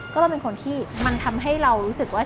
ก็เราเป็นคนที่มันทำให้เรารู้สึกว่า